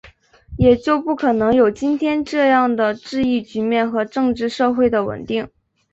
也就不可能有今天这样的治疫局面和政治社会的稳定